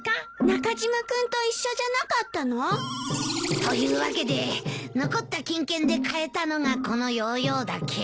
中島君と一緒じゃなかったの？というわけで残った金券で買えたのがこのヨーヨーだけ。